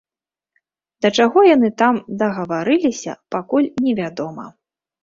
Да чаго яны там дагаварыліся, пакуль невядома.